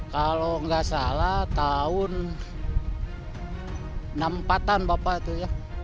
kalau nggak salah tahun enam puluh empat an bapak itu ya